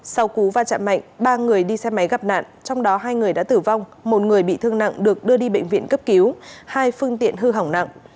sau cú va chạm mạnh ba người đi xe máy gặp nạn trong đó hai người đã tử vong một người bị thương nặng được đưa đi bệnh viện cấp cứu hai phương tiện hư hỏng nặng